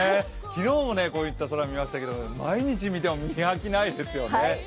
昨日もこういった空見ましたけれども毎日見ても見飽きないですよね。